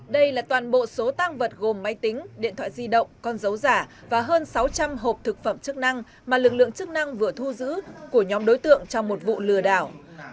đây là toàn bộ số tăng vật gồm máy tính điện thoại di động con dấu giả và hơn sáu trăm linh hộp thực phẩm chức năng mà lực lượng chức năng vừa thu giữ của nhóm đối tượng trong một vụ lừa đảo